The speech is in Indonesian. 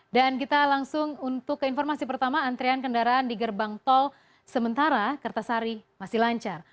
dan kita langsung untuk informasi pertama antrean kendaraan di gerbang tol sementara kertasari masih lancar